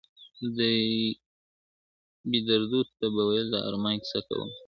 دې بېدردو ته به ولي د ارمان کیسه کومه ,